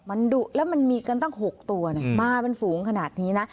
มันดุแล้วมันมีกันตั้ง๖ตัวนะมาเป็นฝูงขนาดนี้นะ